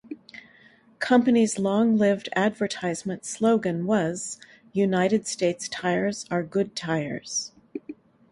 Company's long-lived advertisement slogan was "United States Tires are Good Tires".